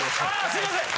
すいません。